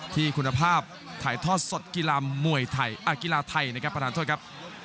ที่คุณภาพถ่ายทอดสดกีฬาไทยนะครับประทานโทษครับ